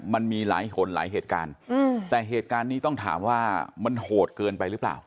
มันมีหลายหนหลายเหตุการณ์แต่เหตุการณ์นี้ต้องถามว่ามันโหดเกินไปหรือเปล่า